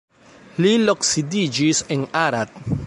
Li loksidiĝis en Arad.